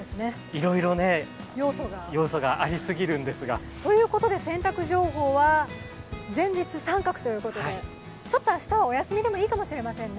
いろいろ要素があり過ぎるんですが。ということで、洗濯情報は全日△ということで、ちょっと明日はお休みでもいいかもしれませんね。